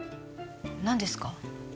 何ですか？